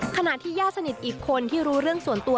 ขณะที่ญาติสนิทอีกคนที่รู้เรื่องส่วนตัว